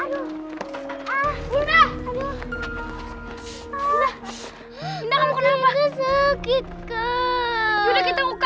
yaudah kita ngukai saja yuk